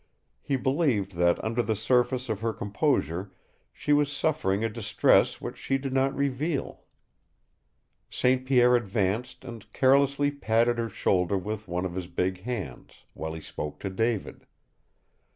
He believed that under the surface of her composure she was suffering a distress which she did not reveal. St. Pierre advanced and carelessly patted her shoulder with one of his big hands, while he spoke to David.